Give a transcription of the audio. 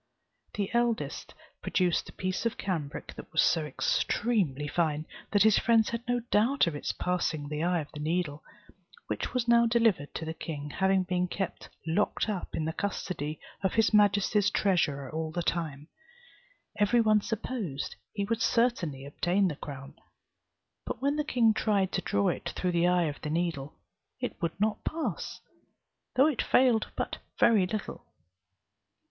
The eldest produced a piece of cambric that was so extremely fine, that his friends had no doubt of its passing the eye of the needle, which was now delivered to the king, having been kept locked up in the custody of his majesty's treasurer all the time, Every one supposed he would certainly obtain the crown. But when the king tried to draw it through the eye of the needle, it would not pass, though it failed but very little.